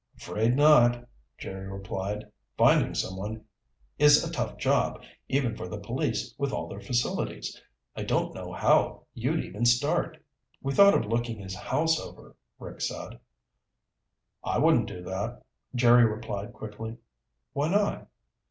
"Afraid not," Jerry replied. "Finding someone is a tough job even for the police with all their facilities. I don't know how you'd even start." "We thought of looking his house over," Rick said. "I wouldn't do that," Jerry replied quickly. "Why not?"